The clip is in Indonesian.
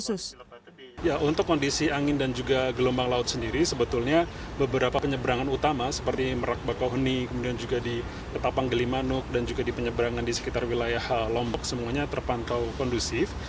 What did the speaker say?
untuk kondisi angin dan juga gelombang laut sendiri sebetulnya beberapa penyeberangan utama seperti merak bakauheni kemudian juga di ketapang gelimanuk dan juga di penyeberangan di sekitar wilayah lombok semuanya terpantau kondusif